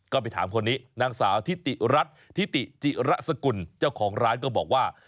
ก็ไปถามคนนี้นางสาวทิติรัฐทิติจิระสกุลเจ้าของร้านก็บอกว่า